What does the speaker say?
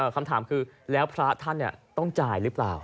คำถามคือแล้วพระท่านต้องจ่ายหรือเปล่า